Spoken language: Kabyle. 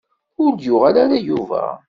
Ur d-yuɣal ara Yuba.